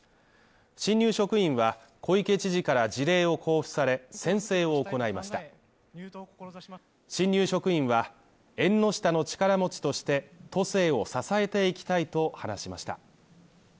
新入職員は、小池知事から辞令を交付され、宣誓を行いました新入職員は、縁の下の力持ちとして統制を支えていきたいと話しました。